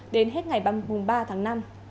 đến ngày ba mươi ba tháng năm